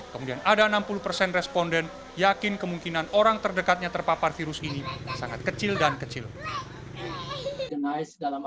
kemudian ada enam puluh persen responden yakin kemungkinan orang terdekatnya terpapar virus ini sangat kecil dan kecil